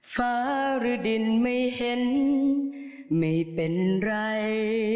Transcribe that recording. ฟ้าหรือดินไม่เห็นไม่เป็นไร